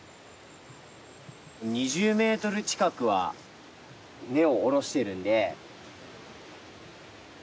２０メートル近くは根を下ろしてるんで。